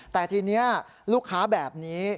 แต่ทีนี้ลูกค้าแบบนี้